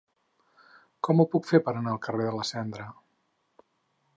Com ho puc fer per anar al carrer de la Cendra?